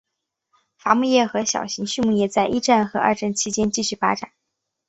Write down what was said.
伐木业和小型的畜牧业在一战和二战期间继续发展。